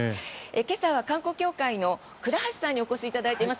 今朝は観光協会の倉橋さんにお越しいただいています。